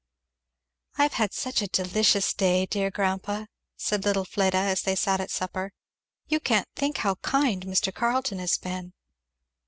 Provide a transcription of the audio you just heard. "I've had such a delicious day, dear grandpa," said little Fleda as they sat at supper; "you can't think how kind Mr. Carleton has been."